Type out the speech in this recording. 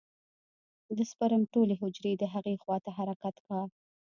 د سپرم ټولې حجرې د هغې خوا ته حرکت کا.